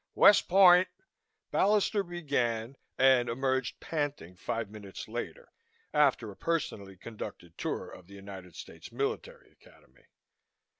"West Point " Ballister began and emerged panting five minutes later after a personally conducted tour of the United States Military Academy.